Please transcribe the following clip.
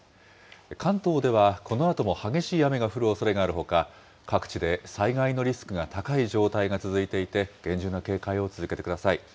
関東ではこのあとも激しい雨が降るおそれがあるほか、各地で災害のリスクが高い状態が続いていて、厳重な警戒を続けてください。